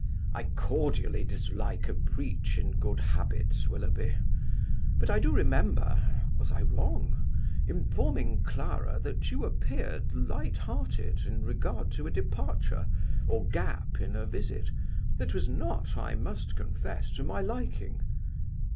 "I cordially dislike a breach in good habits, Willoughby. But I do remember was I wrong? informing Clara that you appeared light hearted in regard to a departure, or gap in a visit, that was not, I must confess, to my liking."